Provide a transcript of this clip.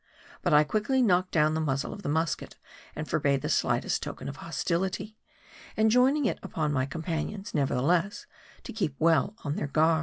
But I quickly knocked down the muzzle of his musket, and forbade the slightest token of hostility ; en joining it upon my companions, nevertheless, to keep well on theii guard.